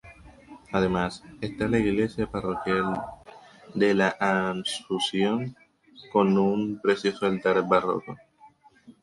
Además está la iglesia parroquial de la Asunción con un precioso altar barroco.